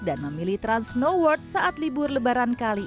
dan memilih trans snow world saat libur lebaran kali ini